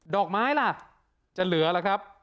อกไม้ล่ะจะเหลือล่ะครับ